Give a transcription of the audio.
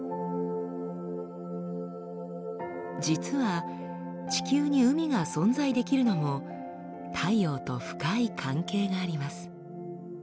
実は地球に海が存在できるのも太陽と深い関係があります。